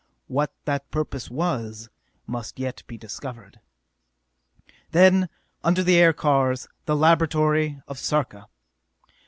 What that purpose was must yet be discovered. Then, under the aircars, the laboratory of Sarka.